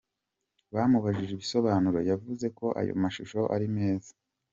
Bamubajije ibisobanuro, yavuze ko ayo mashusho ari meza.